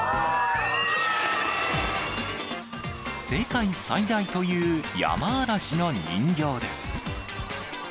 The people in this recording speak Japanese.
世界最大というヤマアラシの人形です。